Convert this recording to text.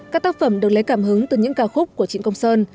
các tác phẩm được lấy cảm hứng từ những ca khúc của trịnh công sơn